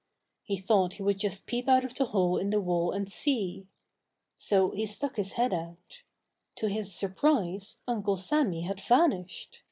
He thought he would just peep out of the hole in the wall and see. So he stuck his head out. To his surprise, Uncle Sammy had vanished.